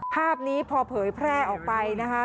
ภาพนี้พอเผยแพร่ออกไปนะคะ